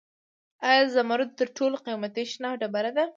آیا زمرد تر ټولو قیمتي شنه ډبره ده؟